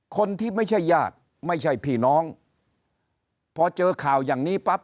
คนที่ไม่ใช่ญาติไม่ใช่พี่น้องพอเจอข่าวอย่างนี้ปั๊บ